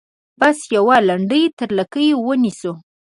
بس یوه لنډۍ تر لکۍ ونیسو.